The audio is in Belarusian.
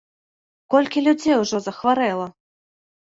Колькі людзей ужо захварэла!